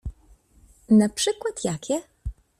Na przykład jakie?